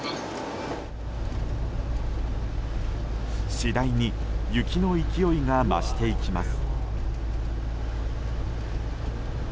次第に、雪の勢いが増していきます。